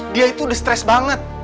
dia itu the stress banget